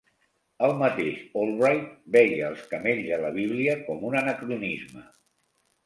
El mateix Albright veia els camells a la Bíblia com un anacronisme.